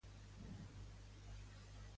Qui era el pare de Damastes?